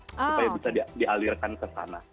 supaya bisa dialirkan ke sana